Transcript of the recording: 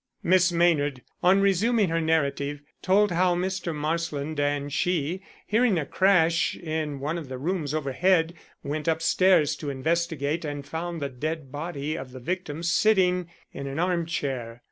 Miss Maynard, on resuming her narrative, told how Mr. Marsland and she, hearing a crash in one of the rooms overhead, went upstairs to investigate and found the dead body of the victim sitting in an arm chair.